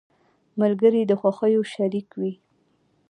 ملګري د خوښیو شريک وي.